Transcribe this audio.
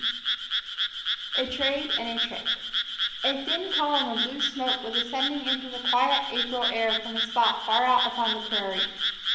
XI A TRADE AND A TRICK A THIN column of blue smoke was ascending into the quiet April air from a spot far out upon the prairie.